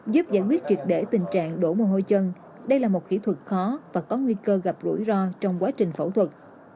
giúp giải quyết triệt để tình trạng đổ một ngôi chân đây là một kỹ thuật khó và có nguy cơ gặp rủi ro trong quá trình phẫu thuật